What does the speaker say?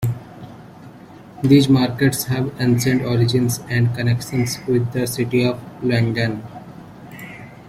These markets have ancient origins and connections with the City of London.